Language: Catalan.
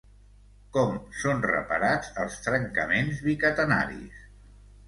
Com són reparats els trencaments bicatenaris?